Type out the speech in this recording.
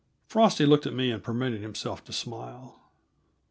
Frosty looked at me, and permitted himself to smile.